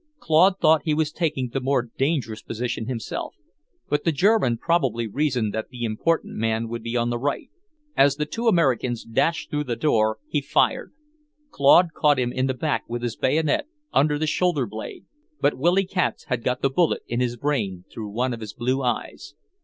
Claude thought he was taking the more dangerous position himself, but the German probably reasoned that the important man would be on the right. As the two Americans dashed through the door, he fired. Claude caught him in the back with his bayonet, under the shoulder blade, but Willy Katz had got the bullet in his brain, through one of his blue eyes.